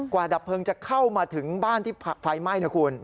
ดับเพลิงจะเข้ามาถึงบ้านที่ไฟไหม้นะคุณ